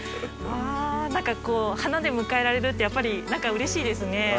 わ何かこう花で迎えられるってやっぱりうれしいですね。